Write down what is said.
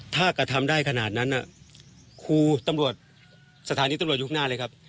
ถ้ากระทำได้ขนาดนั้นครูตำรวจสถานีตำรวจยุคหน้าเลยครับ